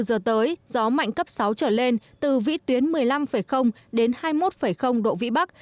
giờ tới gió mạnh cấp sáu trở lên từ vĩ tuyến một mươi năm đến hai mươi một độ vĩ bắc